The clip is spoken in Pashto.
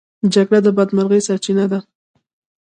جګړه د بدمرغۍ سرچينه ده.